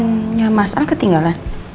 hpnya mas al ketinggalan